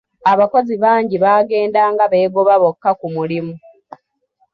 Abakozi bangi baagendanga beegoba bokka ku mulimu.